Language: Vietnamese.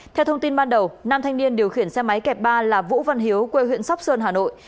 theo thông tin ban đầu nam thanh niên điều khiển xe máy kẹp ba là vũ văn hiếu quê huyện sóc sơn hà nội